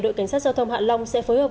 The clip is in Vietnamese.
đội cảnh sát giao thông hạ long sẽ phối hợp